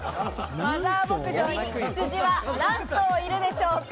マザー牧場に羊は何頭いるでしょうか？